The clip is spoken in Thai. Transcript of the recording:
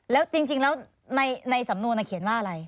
แล้วในสำนวนเขียนว่าอะไร